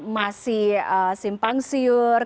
masih simpang siur kemudian kondisi dan lain lain